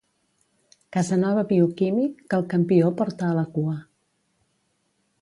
Casanova bioquímic que el campió porta a la cua.